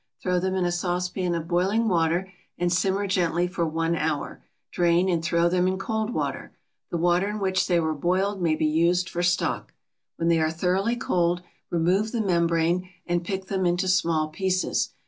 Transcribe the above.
Throw them in a saucepan of boiling water and simmer gently for one hour; drain and throw them in cold water. The water in which they were boiled may be used for stock. When they are thoroughly cold, remove the membrane, and pick them into small pieces.